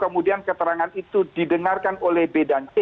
kemudian keterangan itu didengarkan oleh b dan c